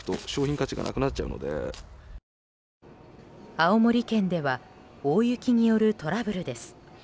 青森県では大雪によるトラブルです。